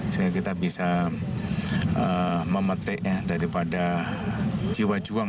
sehingga kita bisa memetik daripada jiwa juang